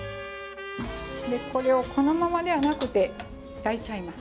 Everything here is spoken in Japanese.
でこれをこのままではなくて焼いちゃいます。